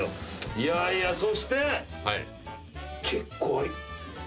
いやいやそして結構。